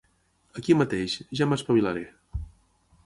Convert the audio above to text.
Aquí mateix, ja m'espavilaré.